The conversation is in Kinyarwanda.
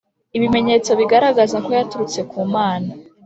Ibimenyetso bigaragaza ko yaturutse ku Mana